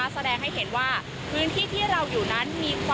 แสดงให้เห็นว่าพื้นที่ที่เราอยู่นั้น